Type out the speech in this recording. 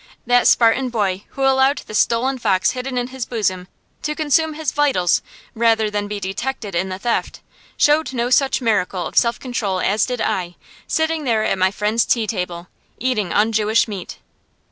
That Spartan boy who allowed the stolen fox hidden in his bosom to consume his vitals rather than be detected in the theft, showed no such miracle of self control as did I, sitting there at my friend's tea table, eating unjewish meat.